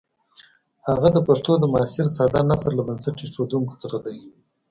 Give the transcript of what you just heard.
هغه د پښتو د معاصر ساده نثر له بنسټ ایښودونکو څخه دی.